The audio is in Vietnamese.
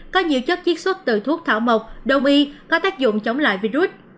có nhiều chất chiết xuất từ thuốc thảo mộc đông y có tác dụng chống lại virus